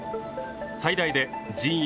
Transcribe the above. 最大で人員